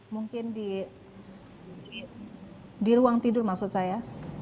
mungkin di ruang tidur maksud saya